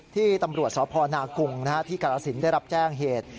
ที่ตำรวจสพนากุงที่กรสินได้รับแจ้งเหตุ